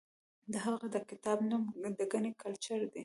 د هغه د کتاب نوم دکني کلچر دی.